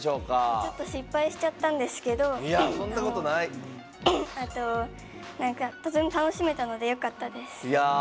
ちょっと失敗しちゃったんですけどとても楽しめたのでよかったです。